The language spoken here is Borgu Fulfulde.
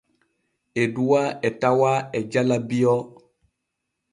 Eduwaa e tawaa e jala Bio.